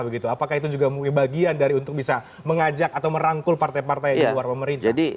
apakah itu juga bagian dari untuk bisa mengajak atau merangkul partai partai di luar pemerintah